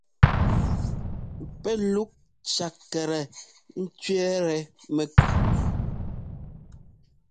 Pɛ́ luk tsaklɛ cwiɛ́tɛ mɛkup.